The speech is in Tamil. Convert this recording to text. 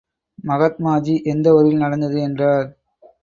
மகாத்மாஜி எந்த ஊரில் நடந்தது? என்றார்.